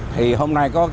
thì hôm nay có các